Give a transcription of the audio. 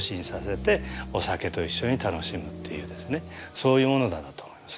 そういうものだなと思いますね。